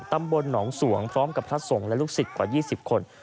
ตำบลหนองสวงพร้อมกับพระสงฆ์และลูกศิษย์กว่า๒๐คน